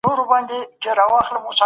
په کتاب کي د پښتنو کيسې ليکل سوې وې.